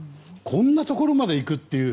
こんなところまで行く？という